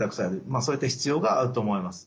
まあそういった必要があると思います。